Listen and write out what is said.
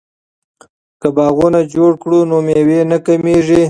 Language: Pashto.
که باغونه جوړ کړو نو میوه نه کمیږي.